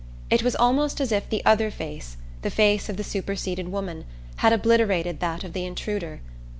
It was almost as if the other face, the face of the superseded woman, had obliterated that of the intruder.